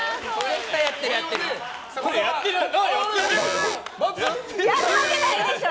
やってるわけないでしょ！